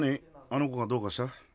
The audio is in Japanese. あの子がどうかした？